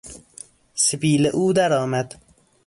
سبیل او در آمد.